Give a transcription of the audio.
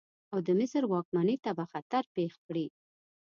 او د مصر واکمنۍ ته به خطر پېښ کړي.